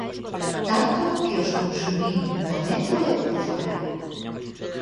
Tanto que os consumiu por dentro e por fóra.